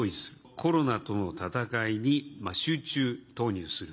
コロナとの闘いに集中投入する。